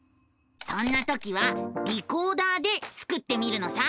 そんな時は「リコーダー」でスクってみるのさ！